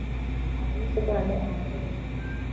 hanyuma usigarane amahembe gusa